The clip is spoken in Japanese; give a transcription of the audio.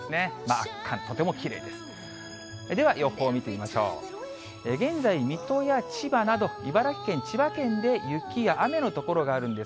圧巻、とてもきれいです。